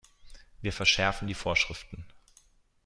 Wir verschärfen die Vorschriften.